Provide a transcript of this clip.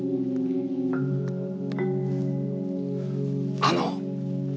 あの！